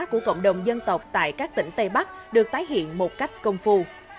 của cộng đồng dân tộc tại các tỉnh tây bắc được tái hiện một cách công phu